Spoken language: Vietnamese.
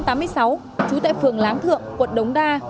trú tại phường láng thượng quận đống đa